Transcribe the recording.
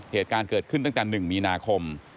เหตุการณ์เกิดขึ้นตั้งแต่๑มีนาคม